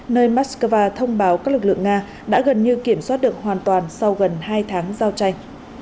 nơi moscow thông báo các lực lượng nga đã gần như kiểm soát được hoàn toàn sau gần hai tháng giao tranh